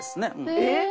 えっ！